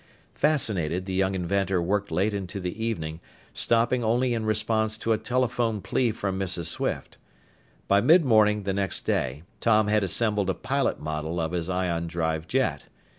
Fascinated, the young inventor worked late into the evening, stopping only in response to a telephone plea from Mrs. Swift. By midmorning the next day, Tom had assembled a pilot model of his ion drive jet.